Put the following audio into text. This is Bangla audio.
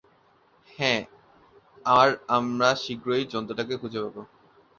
হ্যাঁ, আর আমরা শীঘ্রই জন্তুটাকে খুঁজে পাব।